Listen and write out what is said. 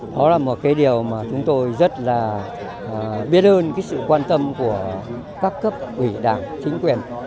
đó là một cái điều mà chúng tôi rất là biết ơn cái sự quan tâm của các cấp ủy đảng chính quyền